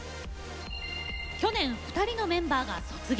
去年２人のメンバーが卒業。